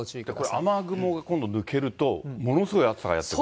これ、雨雲が今度抜けると、ものすごい暑さがやって来る。